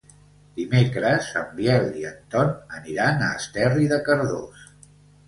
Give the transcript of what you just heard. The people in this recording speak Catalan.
Dimecres en Biel i en Ton aniran a Esterri de Cardós.